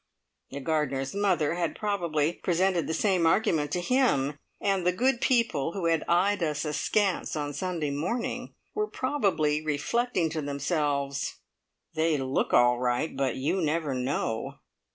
The gardener's mother had probably presented the same argument to him, and the good people who had eyed us askance on Sunday morning were probably reflecting to themselves, "They look all right, but you never know!